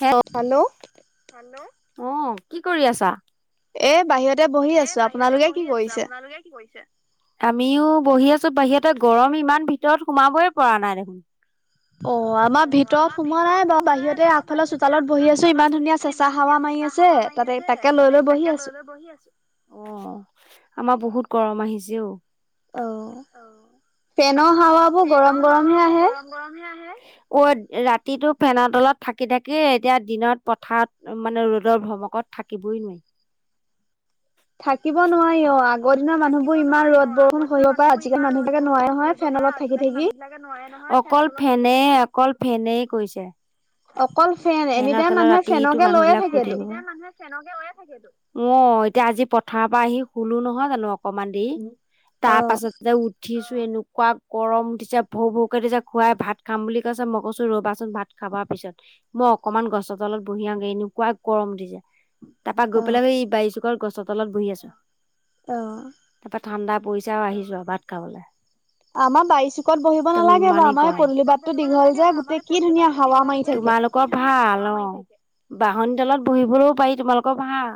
Hello আহ কি কৰি আছা এ বাহিৰত এ বাহিৰতে বহি আছো আপোনালোকে কি কৰিছে আমিও বহি আছো বাহিৰতে গৰম ইমান ভিতৰত সোমাবই পৰা নাই দেখোন। অ আমাৰ ভিতৰত সোমোৱা নাই বাৰু বাহিৰতে আগফালৰ চোতালত বহি আছো ইমান ধুনীয়া চেচা হাৱা মাৰি আছে। হাৱা মাৰি আছে তাতে তাকে লৈ লৈ বহি আছো অহ আমাৰ বহুত গৰম আহিছে অঔ অহ। ফেনৰ হাৱাবোৰ গৰম গৰম হে আহে। অ' ৰাতিটো ফেনৰ তলত থাকি থাকি এতিয়া দিনত পথাৰত মানে ৰ'দৰ ভমকত থাকিবই নোৱাৰি থাকিব নোৱাৰি অ আগ থাকিব নোৱাৰি অ আগৰ দিনৰ মানুহবোৰ ইমান ৰ'দ বৰষুণ সহিব পাৰে আজিকালি মানুহ বিলাকে নোৱাৰে নহয় অকল ফেনে অকল ফেনে কৈছে ফেনৰ তলত ৰাতিটো মানুহ বিলাক শুই থাকিব এনিটাইম মানুহে ফেনকে লৈয়ে থাকেতো ওৱ এতিয়া আজি পথাৰৰ পৰা আহি শুলো নহয় জানো অকণমান দেৰি তাৰ পাছত যে উঠিছো এনে কোৱা গৰম উঠিছে ভৰ ভৰকে দিছে খুৱাই ভাত খাম বুলি কৈছে মই কৈছো ৰবাচোন ভাত খাবা পিছত মই অকনমান গছৰ তলত বহি আহাওঁগে এনেকোৱাই গৰম উঠিছে তাৰপা গৈ পেলাই সেই বাৰিচুকৰ গছৰ তলত বহি আছো অহ ঠাণ্ডা পৰিছে আৰু আহি যোৱা ভাত খাবলে আমাৰ বাৰি চুকত বহিব নালাগে বা আমাৰ পদূলি বাটতো দীঘল যে গোটেই কি ধুনীয়া হাৱা মাৰি থাকে ঘৰত ভাল অ বাহন তলত বহিবলৈও পাৰি তোমালোকৰ ভাল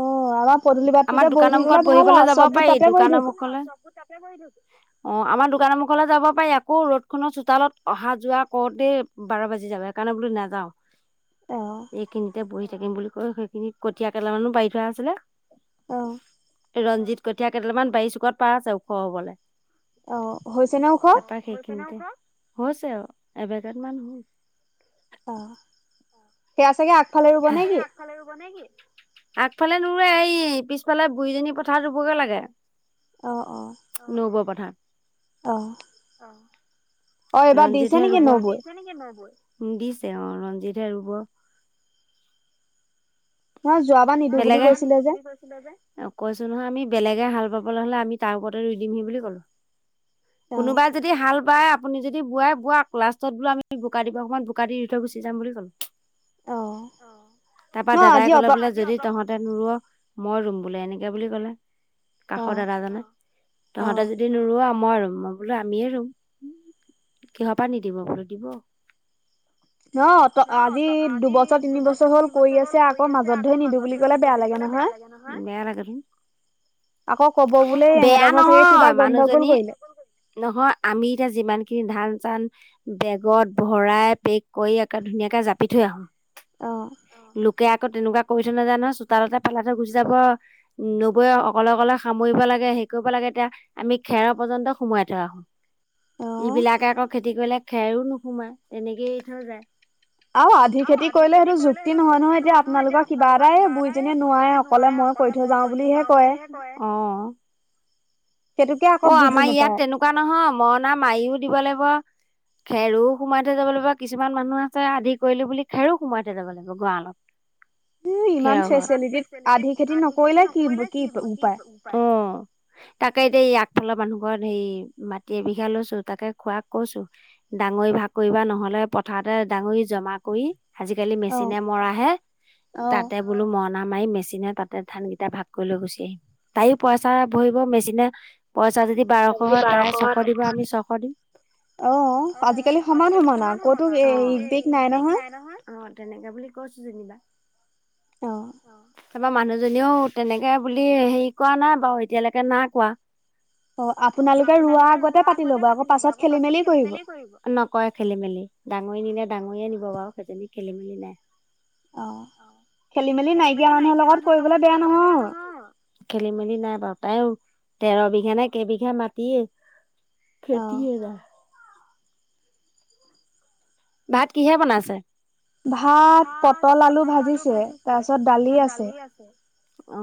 অ আমাৰ পদূলি বাটটোতে বহি থাকিবলে বহিবলৈ যাব পাৰি দোকানৰ মুখলৈ চ তাতে বহি থাকো অ আমাৰ দোকানৰমুখলৈ যাব পাৰি আকৌ ৰ'দ খনৰ চোতালত অহা যোৱা কৰোতে বাৰ বাজি যাব সেইকাৰণে বোলো নাযাও এইখিনিতে বহি থাকিম বুলি কৈ সেইখিনি কঠীয়া কেডাল মানো পাৰি থোৱা আছিলে। অ। ৰঞ্জিত কঠীয়া কেইডালমান বাৰি চুকত পৰা আছে ওখ হবলৈ। অ হৈছে ন ওখ। হৈছে আৰু এবগেত মান হল। অ সেইয়া চাগে আ। আ সেয়া চাগে আগফালে ৰুব নে কি? আগফালে নোৰুৱে এই পিছফালে বুৰিজনী পথাৰ ৰুবগে লাগে। অ অ। পথাত। অ ৰঞ্জিত হে আৰু ৰুব অ এইবাৰ দিছে নেকি ন ৰুব। দিছে অ ৰঞ্জিতহে ৰুব। বেলেগে নহয় যোৱাবাৰ নিদো বুলি কৈছিলে যে অ কৈছিল। নহয় আমি বেলেগে হাল বাবলৈ হ'লে আমি তাৰ ওপতে ৰুই দিমহি বুলি ক'লো। কোনোবাই যদি হাল বাই। আপুনি যদি বোৱাই বোৱাক লাষ্টত বোলো আমি বোকা দিব সময়ত বোকা দিব সময়ত বোকা দি ৰুই থৈ গুচি যাম বুলি ক'লো। অ। তাপা দাদাই কলে বোলে যদি তহঁতে নোৰুৱ মই ৰুম বোলে এনেকে বুলি ক'লে। কাষৰ দাদাজনে তহঁতে যদি নোৰুৱা মই ৰুম মই বোলো আমিয়ে ৰুম কিহৰপা নিদিব বোলো দিব। ন ত আজি দুবছৰ তিনিবছৰ হ'ল কৰি আছে। আছে আকৌ মাজত ধৰি নিদি বুলি ক'লে বেয়া লাগে নহয় বেয়া লাগে তোন। বেয়া নহয় মানুহজনী। নহয় আমি এতিয়া যিমানখিনি। ধান চান বেগত ভৰাই পেক কৰি একে ধুনীয়াকে জাপি থৈ আহো। লোক কে আকৌ তেনেকুৱা কৰি থৈ নেযায় নহয় চোতালতে পেলাই গুচি যাব, নবৈ অকলে অকলে সামৰিব লাগে। হেৰি কৰিব লাগে এতিয়া আমি খেৰ পৰ্যন্ত সোমুৱাই থৈ আহো। এইবিলাকে আকৌ খেতি কৰিলে খেৰো নোসোমাই তেনেকেই এৰি থৈ যায়। আৰু আধি খেতি কৰিলে সেইটো যুক্তি নহয়। নহয় নহয় এ যেতিয়া আপোনালোকৰ কিবা এটাই বুইজনীয়ে নোৱাৰে অকলে মই কৈ থৈ যাওঁ বুলিহে কৰে। অ আমাৰ ইয়াত তেনেকুৱা নহয় মৰণা মাৰিও দিব লাগিব। [inaudible] খেৰো সোমাই থৈ যাব লাগিব কিছুমান মানুহ আছে আধি কৰিলো বুলি খেৰো সোমাই থৈ যাব লাগিব গঁৱালত। [inaudible] খেৰৰ ঘৰ ইমান ফেছেলিতী আধি খেতি নকৰিলে কি কি উপ তাকেই ফালৰ মানুহ ঘৰ হেৰি মাটি এবিঘা লৈছো তাকে খোৱা কৈছো ডাঙৰি ভাগ কৰিবা নহয়। লে পথাৰতে দাঙৰি জমা কৰি আজিকালি মেচিনে মৰাহে। তাতে বোলো মৰণা। মাৰি মেচিনে তাতে ধান কেইটা ভাগ কৰি লৈ গুচি আহি তাইও পইচা ভৰিব মেচিনে পইচা। পইচা যদি বাৰশ হয় তাই ছশ দিব আমি ছশ দিম। অ আজিকালি সমান সমান আও নাই নহয় অ তেনেকা বুলি কৈছে। যেনিবা। অ। অ তাপা মানুহজনীও তেনেকে বুলি হেৰি কৰা নাই বাৰু এতিয়ালৈকে নাই কোৱা। [inaudible] অ আপোনালোকে ৰোৱা আগতে পাতি লব আকৌ পাছত খেলি মেলি কৰিব নকয় খেলি মেলি। ডাঙৰি নিলে ডাঙৰিয়ে নিব বাৰু সেইজনী খেলি মেলি নাই। অ খেলি মেলি নাইকিয়া মানুহৰ লগত কৰিববলৈ বেয়া নহয় খেলি মেলি নাই বাৰ। তাইও তেৰ বিঘা নে কেই বিঘা মাটিয়ে, খেতিয়ে তাইৰ। ভাত কিহে বনাইছে? ভাত, পটল আলু ভাজিচুৱে, তাৰপিছত দালি আছে, অ।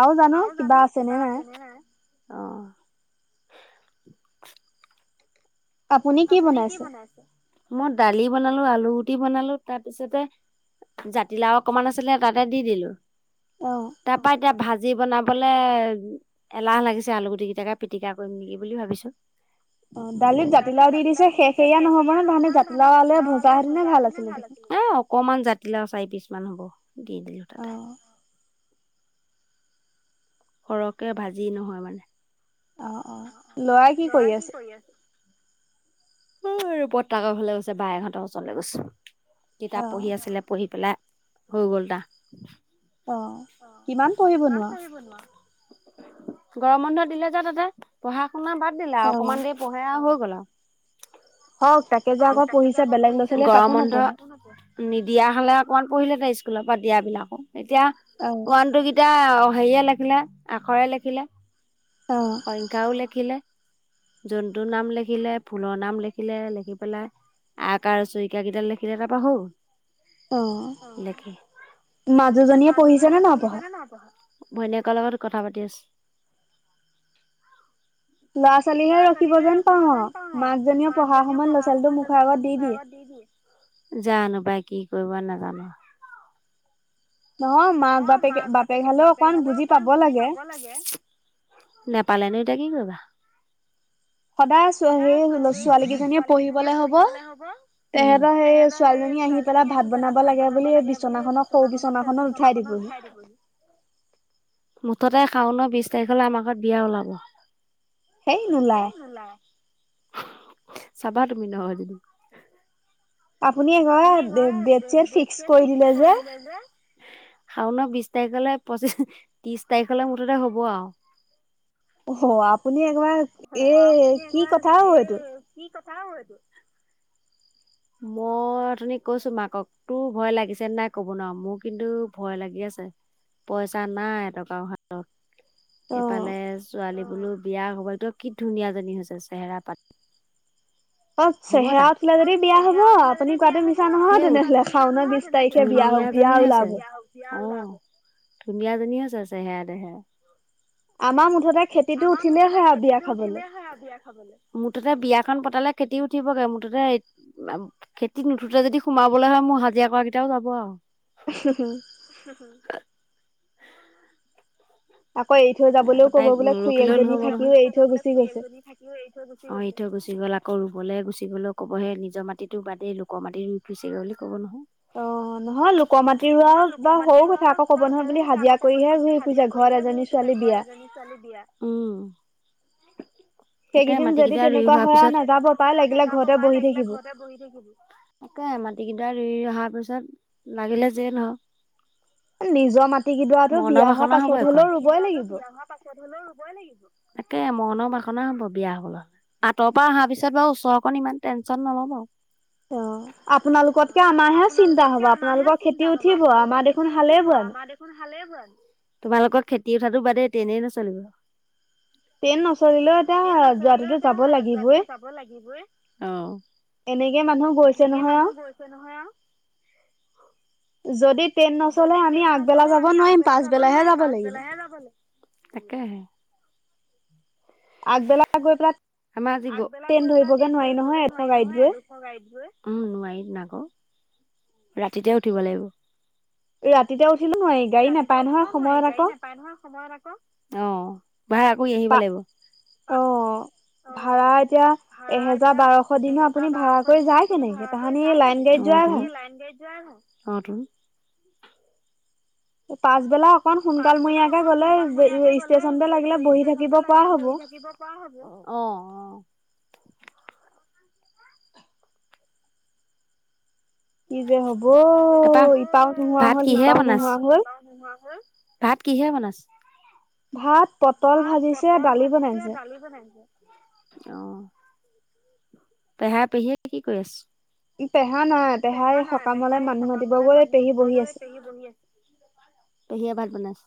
আৰু জানো কিবা আছে নে নাই? অ। আপুনি কি বনাইছে? মই দালি বনালো, আলু গুটি বনালো তাৰ পিছতে জাতিলাও অকমান আছিলে তাতে দি দিলো, তাপা এতিয়া ভা যি বনাবলে এলাহ লাগিছে আলুগুটি কেইটাকে পিটিকা কৰিম নেকি বুলি ভাবিছো। অ দালিত জাতিলাও জাতিলাও দি দিছে সে সেইয়া নহব নে তানে জাতিলাও আলুৱেই ভজা সেতিনে ভাল আছিলে। এ অকমান জা জাতিলাও চাৰি পিচ মান হ'ব দি দিলো তাতে। সৰহকে ভাজি নহয় মানে। অ অ লৰাই কি কৰি আছে? অ বৰ্তাক ঘৰলে গৈছে বায়হঁতৰ ওচৰলৈ গৈছো, কিতাপ পঢ়ি আছিলে পঢ়ি পেলাই হৈ গ'ল টা। অ কিমান পঢ়িব নো আও? গৰম বন্ধ দিলে যে তাতে পঢ়া- শুনা বাদ দিলে আৰু অকমান দেৰি পঢ়ে আৰু হৈ গ'ল আৰু। [inaudible] অ গৰম বন্ধ নিদিয়া হলে অকমান পঢ়িলে হেঁতেন স্কু স্কুলৰ পৰা দিয়া বিলাকো, এতিয়া ওৱান টো কেইটা হেৰীয়ে লেখিলে আখৰে লেখিলে, সংখ্যাও লেখিলে জন্তুৰ নাম লিখিলে, ফুলৰ নাম লিখিলে, লিখি পেলাই আকাৰ অইকাৰ কেইডাল লিখিলে তাৰপা হৈ গল উম মাজুজনীয়ে পঢ়িছে আন সি পঢ়িছে নে নাই পঢ়া ভনীয়েকৰ লগত কথা পাতি আছে ল'ৰা ছোৱালীহে ৰখিব যেন পাও মাক জনীয়েও পঢ়াৰ সময়ত ল'ৰা ছোৱালীটো মুখৰ আগত দি দিয়ে জানো পাই কি কৰিবা নাজানো নহয় মাক বাপেকে বাপেক হালেও অকমান বুজি পাব লাগে নে পালেনো এইটা কি কৰিবা? সদায় ছোৱা সেই ছোৱালীকেইজনীয়ে পঢ়িবলৈ হব। তেহেতৰ সেই ছোৱা ছালীজনী আহি পেলাই ভাত বনাব লাগে বুলি বিচনাখনক সৰু বিচনাখনত উা [inaudible] মুঠতে শাওনৰ বিশ তাৰিখলৈ আমাৰ ঘৰত বিয়া ওলাব। সেই নোলায়। চাবা তুমি নহয় যদি। আপুনি হৈ ডে ডেট -ছেট ফিক্স কৰি দিলে যে। শাওনৰ বিশ তাৰিখলৈ পঁচিশ ত্ৰিশ তাৰিখলৈ মুঠতে হব আৰু। অহ আপুনি একবাৰ এ কি কথা ঐ সেইটো। কাঐ এইটো? মই অথনি কৈছো মাকক তোৰ ভয় লাগিছে নাই ক'ব নোৱাৰ মোৰ কিন্তু ভয় লাগি আছে। পইচা নাই এটকাও হাতত, এইফালে ছোৱালী বুলো বিয়া হবাইতো কি ধুনীয়াজী হৈছে চেহেৰা পাত। অ চেহেৰা উঠিলে যদি বিয়া হব আপুনি কোৱাতো মিছা নহয় তেনেহলে শাওন বিশ তাৰিখে বিয়া হব। ধুনীয়াজনীহৈ আছে অ ধুনীয়াজনীহৈছে চহেৰা তেহেৰাই। আমাৰ মুঠতে আমাৰ মুঠতে খেতিটো উঠিলে হয় আৰু বিয়া খাবলৈ, মুঠতে বিয়াখন পতালে খেতি উঠিবগে মুঠতে বা খেতিত নুঠোতে যদি সোমাবলৈ হয় মোৰ হাজিৰা কৰা কেইটাও যাব আৰু। হুম আকৌ তাই নৰখিলেও নহ'ব নহয় খৰিড়েজনীথাকিওএৰিথৈগুচি গ'ল [unintelligible] আকৈ ৰুবলৈ গুচি গ'লেও কব সেই নিজৰ মাটিতো বাদেই লোকৰ মাটি ৰুই ফুইছেগৈ বুলি ক'ব নহয় অ নহয় লোক মাতি হোৱাও বা সৰু কথা আকৌ ক'ব নহয় বুলি হাজিৰা কৰিহে ঘূৰি ফুৰিছে ঘৰত এজনী তোৰ যে ঘৰত এজনী ছোৱালীৰ বিয়া উম তাকে মাটি কেইটা ৰুই হোৱাৰ পিছত তেনেকুৱা হয় আৰু নাযাব পাই লাগিলে ঘৰতে বহি থাকিবি তই মাটিকেইটা ৰুই অহাৰ পিছত লাগিলে যেই এই নহও নিজৰ মাটি কেইদৰাটো বিয়া হোৱাৰ পাছত হ'লেও ৰুব মাটি দৰাতো বিয়া হোৱা পাছত হলেও ৰুবই লাগিব তাকে মৰণৰ বাসনা হব বিয়া হবলা আঁৰ পৰা অহাৰ পাছত বাৰু ওচৰকণ ইমান টেনশ্যন নলোওঁ বাৰু অহ আপোনালোককে আমাৰ হে চিন্তা হব আপোনালোকৰ খেতি উঠিব আমাৰ দেখোন হালেই বো আমাৰ দেখোন হালেই বো তোমালোকৰ খেতি উঠাতটো বাদেই তেনেই নচলিব টযিযে নচৰিলেও এতিয়া যোৱোটো যাব লাগিবই অহ এনেকে মানুহ গৈছে নহয় অ অ [unintelligible] যদি যদি ট্ৰেইন নচলে আমি আগবেলা যাব নোৱাৰিম পাছবেলাহে যাব লাগিব তাকেহে আগবেলা গৈ‌ পেলে আমাৰ আজি গৈ আগবেলা গৈ পেলাই ট্ৰেইন ধৰিবগৈ নোৱাৰি নহয় এডোখ গাড়িত গৈ অহ নোৱাৰি আকৌ ৰাতিতে উঠিব লাগিব ৰাতিতে উঠিলো হয় গাড়ী নাপাই নহয় সময়ত আকৌ অহ ভাড়া কৰি আহিব লাগিব ভাড়া এতিয়া এহেজাৰ বাৰশ দিনো আপুনি ভাড়া কৰি যায় কেনেকে তাহানি লাইন গাড়ী অহ যোৱা তুমি লাইন গাড়ীত যোৱাই ভাল অহ তুমি পাছবেলা অকন সোনকালমৰিয়াকে গলে ষ্টেচন লাগিলে বহি থাকি হ অঁ অঁ। কি যে হব ইপাওঁ নোহোৱা হল সিপাওঁ নোহোৱা হ'ল ভাত কিহে বনাইছে। ভাত পটল ভাজিছে দালি বনাইছে- অব পেহাই পেহীয়ে কি কৰি আছো পেহা নাই পেহাই সকামলৈ মানুহ দিবগৈ পেহী বহি আছে পেহীয়া ভাত বনাইছে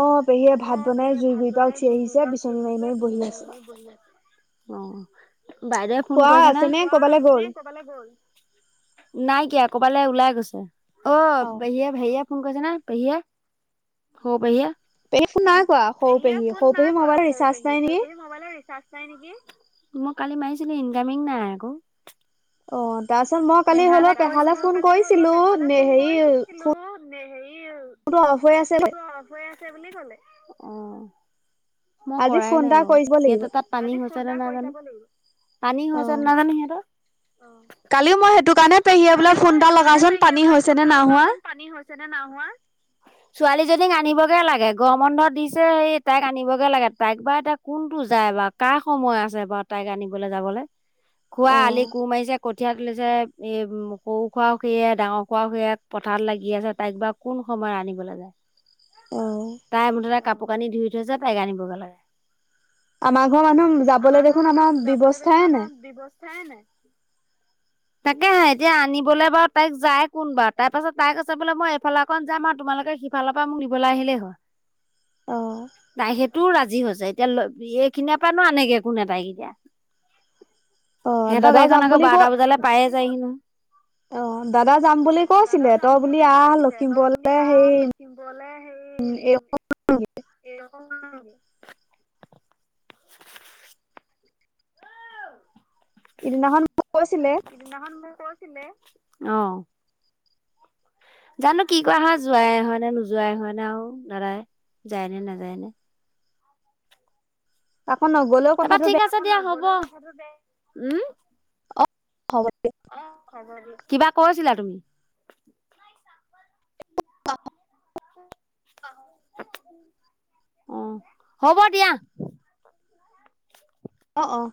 অঁহ পেহীয়ে ভাত বনাই ভাত বনাই জুই দুইটা উঠি আহিছে বিচনী মাৰ মাৰ গনলে [unintelligible] বাইদেৱে ফোন কৰিছে নহয় বাও তেনেকে কবালে গল নাইকিয়া কবালৈ ওলাই গৈছ। অঁহ পেহীয়ীয়ে ফোন কৰিছে নহয় পেহীয়ে সৰু পেহীয়ে পেহী ফোন নাই পেহিয়ে ফোন নাই কোৱা সৰু পেহীয়ে ফোন পেহি মোবাইলৰ ৰিচাৰ্জ নাই নেকি মই কালি মাৰিছিলো ইনকামিং নাই আকৌ অঁহ পেহালে কৈছিলো কালি হলো পেহালে ফোন কৰিছিলছিলো নে হেৰি ক অলপ হৈ আছে বুলি কলে অঁহ মই কৰাই নাই বাৰু সিহঁতে তাত পানী নাজানে পানী হোৱা য নাজানে সিহঁতৰ [unintelligible] কালি মই সেইটো কাৰণে পেহীয়ে বোলে ফোনটা লগাচোন পানী হৈছে নে নাই হোৱা ছোৱালীজনীক আনিবগে লাগে গৰম বন্ধ দিছে সেই তাইক আনিবগে লাগে তাইক বাৰ এতিয়া কোনটো যায় বা ক সময় আছে বাৰু তাইক আনিবলৈ যাবলৈ খোৱা আলি কোৰ মাৰিছে কঠিয়া তুলিছে- এ সৰু খোৱা সে ডাঙৰ খোৱাও সয়ে পথাৰত লাগি আছে তাইক বাৰ কোন সময় আনিবলৈ যায়। আহঁ কাপোৰ কানি ধুই থৈ যে টাইক আনিবগৈ লাগে। আমাৰ ঘৰ মানুহ যাবলৈ দেখোন আমাৰ ব্যৱস্থাই নাই। নাই। তাকে হ এতিয়া আনিবলৈ বাৰু তাইক যায় কোন বাৰা তাৰ পাছত তাইক আছে বোলে মই এইফালা অকন যাম আৰু তোমালোকে- সিফালৰ পৰা মোক নিবলৈ আহিলেই হ তাই সেইটো ৰাজি হৈ হৈছে। এতিয়া এইখিনিয় পৰা নো আনেকে কোন এটাইকেইতিয়া। সিহঁতৰ গাড়ীখন আকৌ বাৰটা বজালে পায়ে যায়হি নো। অঁ দাদা যাম বুলি কৈছিলে তই বুলি আহ লখিমপুৰলৈ হেৰি- উম এই এই ইদিনাখন মোক কৈছিলে- অঁ জানো কি কৰা হয় যোৱাই হয় নে নোযোৱাই হয় নে আৰু নাদায়। যায়নে নাযায় নে। তাকৌ নগ'লেও কথাটো বেয়া। উম কিবা কৈছিলা তুমি- অঁ হব দিয়া। অঁ অঁ